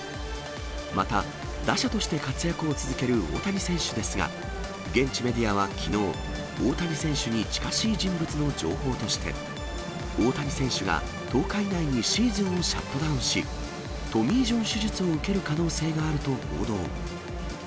また打者として活躍を続ける大谷選手ですが、現地メディアはきのう、大谷選手に近しい人物の情報として、大谷選手が１０日以内にシーズンをシャットダウンし、トミー・ジョン手術を受ける可能性があると報道。